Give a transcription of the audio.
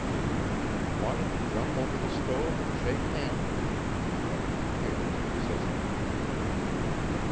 He wanted to jump over the stove and shake hands with her, but the potatoes were sizzling.